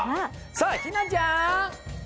さあひなちゃん！